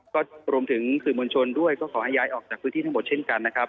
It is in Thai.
ก็รวมถึงสื่อมวลชนด้วยก็ขอให้ย้ายออกจากพื้นที่ทั้งหมดเช่นกันนะครับ